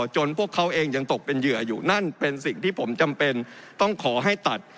พวกเขาเองยังตกเป็นเหยื่ออยู่นั่นเป็นสิ่งที่ผมจำเป็นต้องขอให้ตัด